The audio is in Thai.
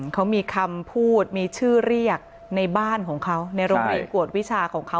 เขามีคำพูดมีชื่อเรียกในบ้านของเขาในโรงเรียนกวดวิชาของเขา